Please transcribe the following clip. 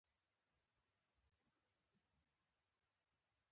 احمد غوره محصل او زموږ نماینده دی